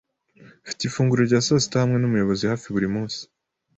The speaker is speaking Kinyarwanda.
Mfite ifunguro rya sasita hamwe numuyobozi hafi buri munsi.